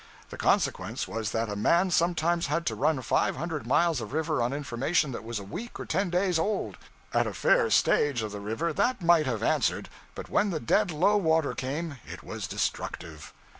The consequence was that a man sometimes had to run five hundred miles of river on information that was a week or ten days old. At a fair stage of the river that might have answered; but when the dead low water came it was destructive.